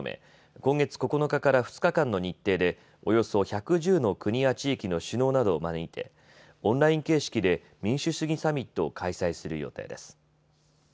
今月９日から２日間の日程でおよそ１１０の国や地域の首脳などを招いてオンライン形式で民主主義サミットを開催する予定です。